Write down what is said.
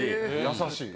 優しい。